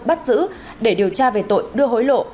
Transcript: bắt giữ để điều tra về tội đưa hối lộ